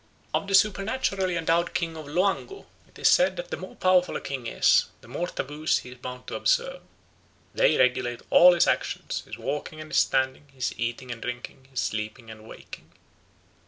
Of the supernaturally endowed kings of Loango it is said that the more powerful a king is, the more taboos is he bound to observe; they regulate all his actions, his walking and his standing, his eating and drinking, his sleeping and waking.